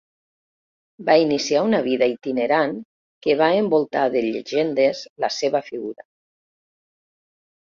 Va iniciar una vida itinerant que va envoltar de llegendes la seva figura.